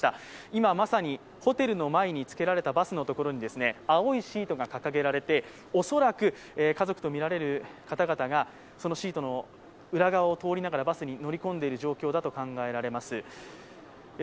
今まさにホテルの前につけられたバスのところに青いシートがかかげられて恐らく家族とみられる方々がそのシートの裏側を通りながらバスに乗り込んでいる状況だと考えられます。